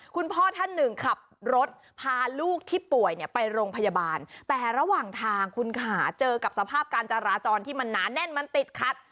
คุณพ่อท่านหนึ่งขับรถพาลูกที่ป่วยเนี่ยไปโรงพยาบาลแต่ระหว่างทางคุณค่ะเจอกับสภาพการจราจรที่มันหนาแน่นมันติดขัด